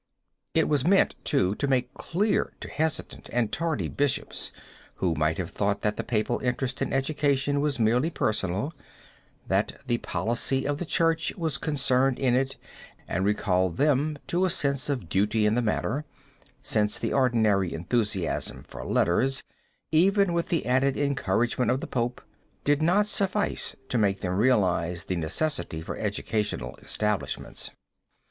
It was meant, too, to make clear to hesitant and tardy bishops, who might have thought that the papal interest in education was merely personal, that the policy of the church was concerned in it and recalled them to a sense of duty in the matter, since the ordinary enthusiasm for letters, even with the added encouragement of the Pope, did not suffice to make them realize the necessity for educational establishments.